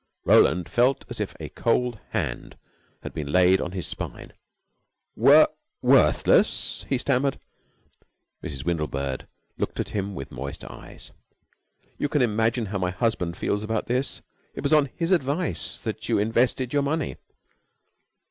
Roland felt as if a cold hand had been laid on his spine. "Wor worthless!" he stammered. Mrs. Windlebird looked at him with moist eyes. "You can imagine how my husband feels about this. It was on his advice that you invested your money.